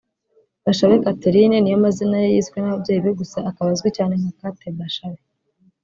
Bashabe Catherine niyo mazina ye yiswe n’ababyeyi be gusa akaba azwi cyane nka Kate Bashabe